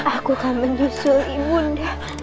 aku akan menyusulimu nda